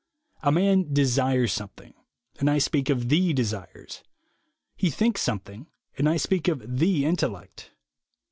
A man desires something, and I speak of "the desires"; he thinks something, and I speak of "the intellect."